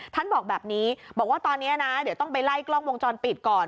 ท่านบอกแบบนี้บอกว่าตอนนี้นะเดี๋ยวต้องไปไล่กล้องวงจรปิดก่อน